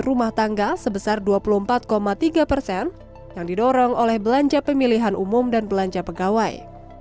rumah tangga sebesar dua puluh empat tiga persen yang didorong oleh belanja pemilihan umum dan belanja pegawai